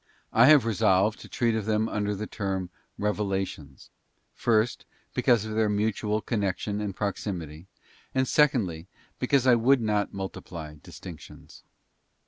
I have resolved to treat of them under the term Revelations — first, because of their XXV. mutual connection and proximity, and, secondly, because I would not multiply distinctions.